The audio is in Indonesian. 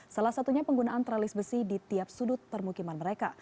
salah satunya penggunaan tralis besi di tiap sudut permukiman mereka